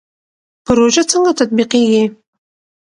پروژه څنګه تطبیقیږي؟